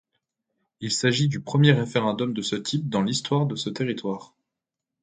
Il s'agit du premier référendum de ce type dans l'histoire de ce territoire.